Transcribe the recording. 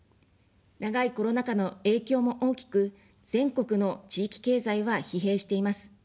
長いコロナ禍の影響も大きく、全国の地域経済は疲弊しています。